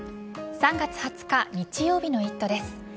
３月２０日日曜日の「イット！」です。